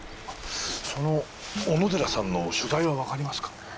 その小野寺さんの所在はわかりますか？